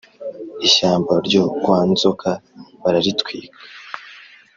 ishyamba ryo kwa nzoka bararitwika